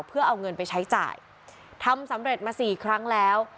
เพื่อเอาเงินไปใช้จ่ายทำสำเร็จมาสี่ครั้งแล้ว